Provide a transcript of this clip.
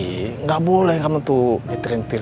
tidak boleh anda mengantar antar